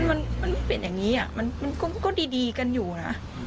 มันเป็นอย่างนี้มันก็ดีกันอยู่นะ